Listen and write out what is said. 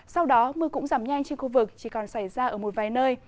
sau đó mưa cũng giảm nhanh trên khu vực chỉ còn xảy ra ở một vài nơi